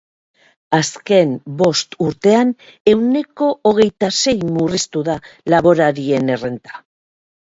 Azken bost urtean ehuneko hogeita sei murrriztu da laborarien errenta.